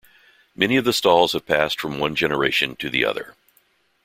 Many of the stalls have passed from one generation to the other.